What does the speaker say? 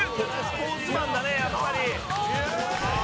スポーツマンだねやっぱり。